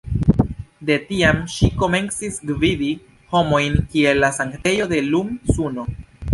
De tiam ŝi komencis gvidi homojn kiel la sanktejo de "Lun-Suno".